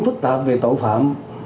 những phức tạp về tội phạm